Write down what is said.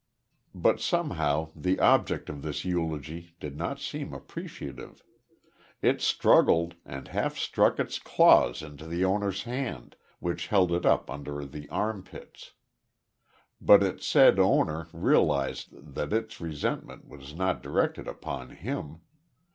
But somehow the object of this eulogy did not seem appreciative. It struggled, and half struck its claws into its owner's hand, which held it up under the armpits. But its said owner realised that its resentment was not directed upon him.